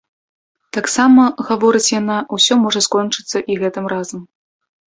Таксама, гаворыць яна, усё можа скончыцца і гэтым разам.